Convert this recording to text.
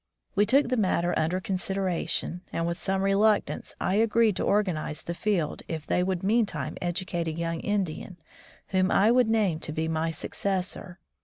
We took the matter under consideration, and with some reluctance I agreed to organize the field if they would meantime educate a young Indian whom I would name to be my successor.